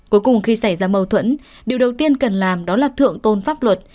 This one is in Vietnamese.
cuối cùng khi xảy ra mâu thuẫn điều đầu tiên cần làm đó là thượng tôn pháp luật